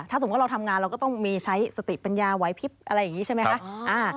ถ้าสมมุติเราทำงานเราก็ต้องมีใช้สติปัญญาไหวพลิบอะไรอย่างนี้ใช่ไหมคะ